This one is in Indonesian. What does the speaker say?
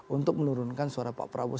untuk menurunkan suara pak prabowo